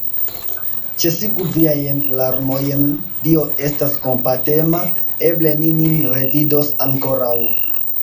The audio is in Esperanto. Ĉesigu viajn larmojn, Dio estas kompatema, eble ni nin revidos ankoraŭ!